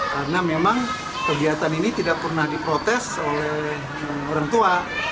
karena memang kegiatan ini tidak pernah diprotes oleh orang tua